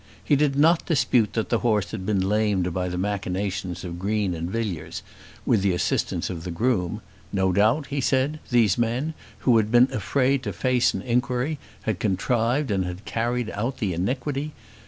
He did not dispute that the horse had been lamed by the machinations of Green and Villiers, with the assistance of the groom. No doubt, he said, these men, who had been afraid to face an inquiry, had contrived and had carried out the iniquity.